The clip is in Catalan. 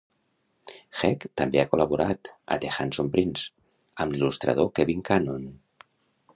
Hegg també ha col·laborat a "The Handsome Prince" amb l'il·lustrador Kevin Cannon.